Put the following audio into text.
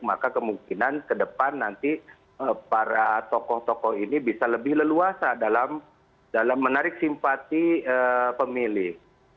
maka kemungkinan ke depan nanti para tokoh tokoh ini bisa lebih leluasa dalam menarik simpati pemilih